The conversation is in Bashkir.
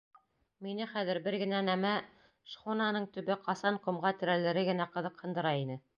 Мине хәҙер бер генә нәмә: шхунаның төбө ҡасан ҡомға терәлере генә ҡыҙыҡһындыра ине.